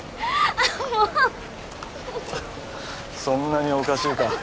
そんなにおかしいか。